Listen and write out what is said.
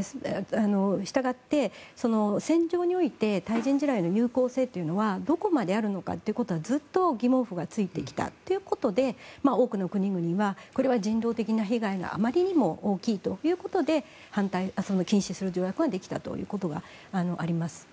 したがって戦場において対人地雷の有効性というのはどこまであるのかということはずっと疑問符がついてきたということで多くの国々はこれは人道的な被害があまりにも大きいということで反対、禁止する条約ができたということがあります。